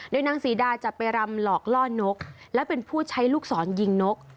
นางศรีดาจะไปรำหลอกล่อนกและเป็นผู้ใช้ลูกศรยิงนก